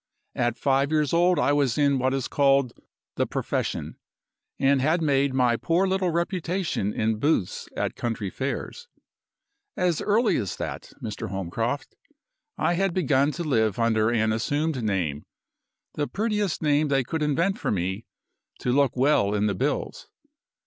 At five years old I was in what is called 'the profession,' and had made my poor little reputation in booths at country fairs. As early as that, Mr. Holmcroft, I had begun to live under an assumed name the prettiest name they could invent for me 'to look well in the bills.